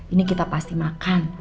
ini kita pasti makan